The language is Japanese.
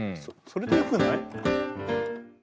それでよくない？